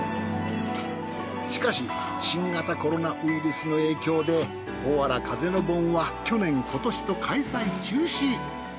しかし新型コロナウイルスの影響でおわら風の盆は去年今年と開催中止。